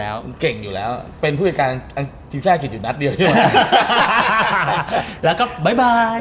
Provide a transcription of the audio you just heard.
อะก็เก่งอยู่แล้วเป็นผู้ในการที่ทีมชายกินอยู่นัดเดียวใช่ไหม